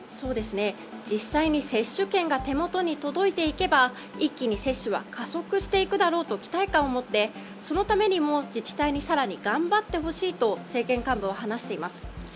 実際に接種券が手元に届いていけば一気に接種加速していくだろうと期待感を持ってそのためにも自治体に更に頑張ってほしいと政権幹部は話しています。